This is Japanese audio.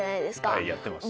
はいやってますよ。